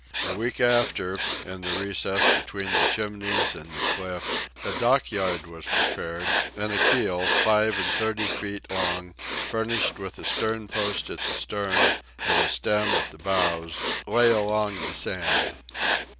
A week after, in the recess between the Chimneys and the cliff, a dockyard was prepared, and a keel five and thirty feet long, furnished with a stern post at the stern and a stem at the bows, lay along the sand.